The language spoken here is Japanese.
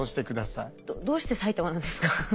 どうして埼玉なんですか？